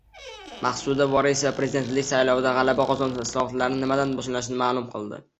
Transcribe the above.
Maqsuda Vorisova Prezidentlik saylovida g‘alaba qozonsa, islohotlarni nimadan boshlashini ma’lum qildi